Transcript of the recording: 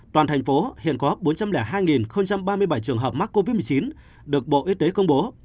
toàn thành phố hiện có bốn trăm linh hai ba mươi bảy trường hợp mắc covid một mươi chín được bộ y tế công bố